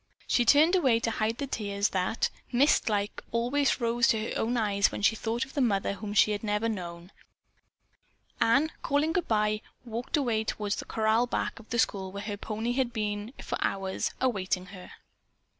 She turned away to hide the tears that, mist like, always rose to her own eyes when she thought of the mother whom she never knew. Ann, calling goodbye, walked away toward the corral back of the school where her pony had been for hours awaiting her.